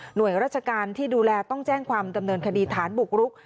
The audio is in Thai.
โดยราชการที่ดูแลต้องแจ้งความดำเนินคดีฐานบุกรุก